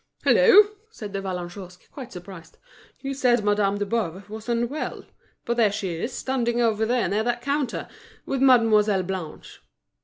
"Hallo!" said De Vallagnosc, quite surprised, "you said Madame de Boves was unwell. But there she is standing over there near that counter, with Mademoiselle Blanche."